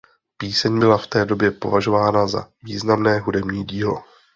Píseň byla v té době považována za významné hudební dílo.